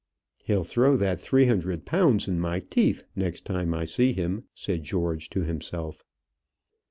"He'll throw that three hundred pounds in my teeth the next time I see him," said George to himself.